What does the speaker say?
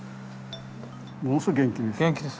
ものすごく元気いいです。